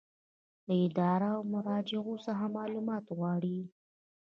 له ادارو او مراجعو څخه معلومات غواړي.